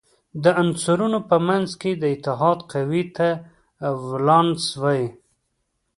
د عنصرونو په منځ کې د اتحاد قوې ته ولانس وايي.